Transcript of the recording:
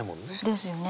ですよね。